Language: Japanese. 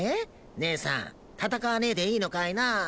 ねえさん戦わねえでいいのかいな。